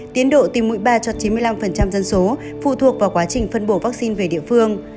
tiến độ tìm mũi ba cho chín mươi năm dân số phụ thuộc vào quá trình phân bổ vaccine về địa phương